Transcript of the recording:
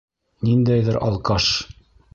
Ниндәйҙер алкаш!